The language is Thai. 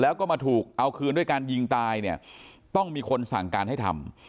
แล้วก็มาถูกเอาคืนด้วยการยิงตายเนี่ยต้องมีคนสั่งการให้ทำ